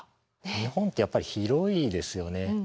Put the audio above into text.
日本ってやっぱり広いですよね。